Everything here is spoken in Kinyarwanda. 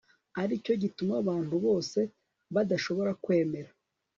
ari cyo gituma abantu bose badashobora kwemera